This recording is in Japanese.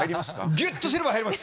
ぎゅっとすれば入ります。